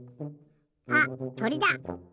あっとりだ。